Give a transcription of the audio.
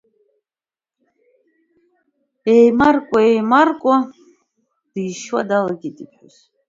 Еимаркуа, еимаркуа дишьуа далагеит иԥҳәыс.